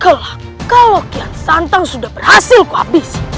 jadilah kau kian santam sudah berhasil kehabisan